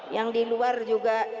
yang di luar juga